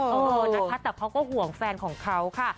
เออนะคะแต่เขาก็ห่วงแฟนของเขาค่ะ